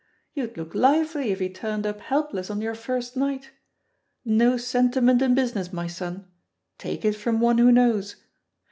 You'd look lively if he turned up helpless on your first night. No sentiment in business, my son— take it from one who knows.